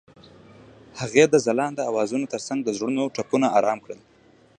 هغې د ځلانده اوازونو ترڅنګ د زړونو ټپونه آرام کړل.